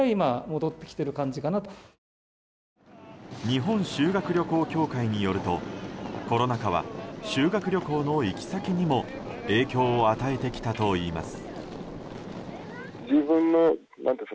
日本修学旅行協会によるとコロナ禍は修学旅行の行き先にも影響を与えてきたといいます。